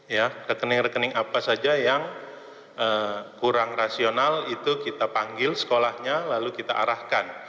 ya rekening rekening apa saja yang kurang rasional itu kita panggil sekolahnya lalu kita arahkan